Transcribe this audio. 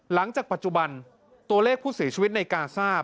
หลังจากปัจจุบันตัวเลขผู้เสียชีวิตในกาซ่า